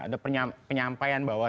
ada penyampaian bahwa